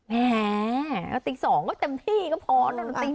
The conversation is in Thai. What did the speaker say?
แหมตี๒ก็เต็มที่ก็พอตี๑ก็อะไรอย่างนี้